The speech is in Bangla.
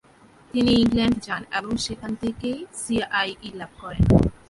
তিনি ইংল্যান্ড যান এবং সেখান থেকেই সি আই ই লাভ করেন।